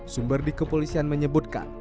sumber di kepolisian menyebutkan